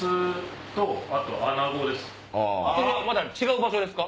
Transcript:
また違う場所ですか？